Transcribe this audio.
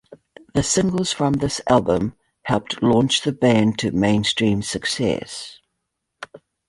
The singles from this album helped launch the band to mainstream success.